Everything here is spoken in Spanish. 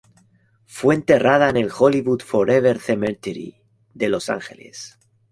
Fue enterrada en el Hollywood Forever Cemetery de Los Ángeles.